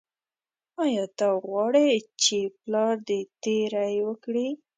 ایا ته غواړې چې پلار دې تیری وکړي.